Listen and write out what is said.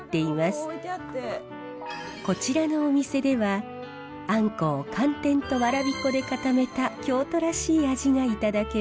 こちらのお店ではあんこを寒天とわらび粉で固めた京都らしい味がいただけます。